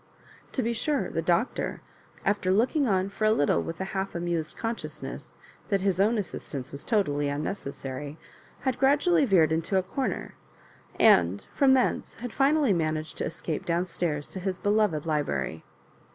To be sure the Doctor, after look ing on for a little with a half amused conscious ness that his own assistance was totally unneces sary, had gradually veered into a corner, and from thence had finally managed to escape down stairs to his beloved library.